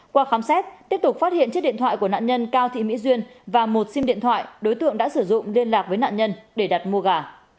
qua khám xét tiếp tục phát hiện chiếc điện thoại của nạn nhân cao thị mỹ duyên và một sim điện thoại đối tượng đã sử dụng liên lạc với nạn nhân để đặt mua gà